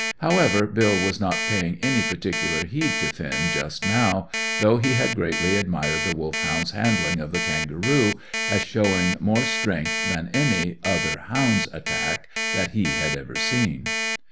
However, Bill was not paying any particular heed to Finn just now, though he had greatly admired the Wolfhound's handling of the kangaroo, as showing more strength than any other hound's attack that he had ever seen.